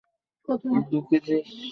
আমি সারপ্রাইজ পছন্দ করি।